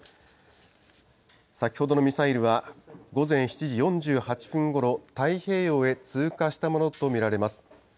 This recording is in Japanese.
先ほどのミサイルは、午前７時４８分ごろ、太平洋へ通過したものと見られます。